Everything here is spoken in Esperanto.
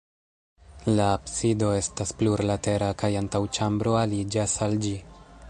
La absido estas plurlatera kaj antaŭĉambro aliĝas al ĝi.